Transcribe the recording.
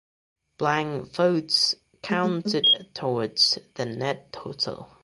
Blank votes counted towards the net total.